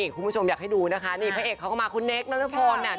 คุณผู้ชมอยากให้ดูนะคะนี่พระเอกเขาก็มาคุณเนคนรพลเนี่ย